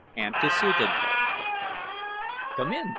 ANTECEDENTAL. "Come in!"